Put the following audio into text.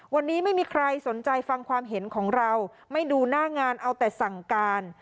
วันนี้ไม่มีใครสนใจฟังความเห็นของเราไม่ดูหน้างานเอาแต่สั่งการ